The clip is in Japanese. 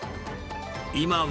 今は。